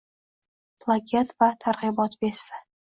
Plagiat va targ'ibot Vesti